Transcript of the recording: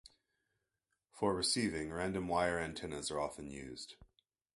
For receiving, random wire antennas are often used.